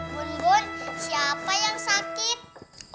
bun bun siapa yang sakit